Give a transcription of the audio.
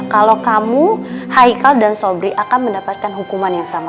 kalau kamu haikal dan sobri akan mendapatkan hukuman yang sama